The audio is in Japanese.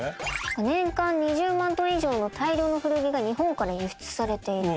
年間２０万トン以上の大量の古着が日本から輸出されている。